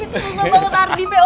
gitu susah banget ardi